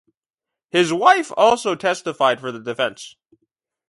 His wife also testified for the defense.